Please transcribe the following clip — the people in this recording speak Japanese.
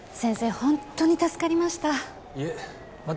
ホントに助かりました